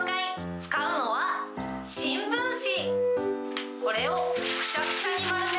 使うのは新聞紙。